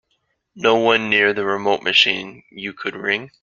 No one near the remote machine you could ring?